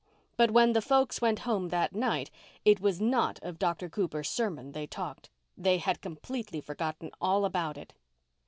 But when the folks went home that night it was not of Dr. Cooper's sermon they talked. They had completely forgotten all about it.